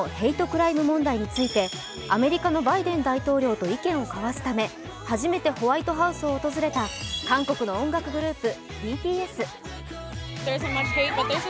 クライム問題についてアメリカのバイデン大統領と意見を交わすため、初めて、ホワイトハウスを訪れた韓国の音楽グループ・ＢＴＳ。